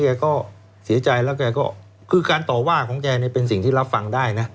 แกก็เสียใจแล้วแกก็คือการต่อว่าของแกเนี่ยเป็นสิ่งที่รับฟังได้นะ